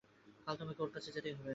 কাল তোমাকে ওঁর কাছে যেতেই হচ্ছে।